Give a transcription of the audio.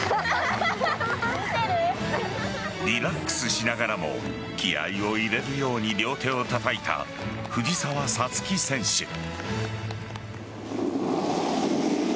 リラックスしながらも気合いを入れるように両手を叩いた藤澤五月選手。